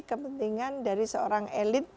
kepentingan dari seorang elit